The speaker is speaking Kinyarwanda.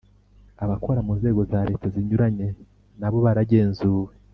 abakora mu nzego za leta zinyuranye nabo baragenzuwe ,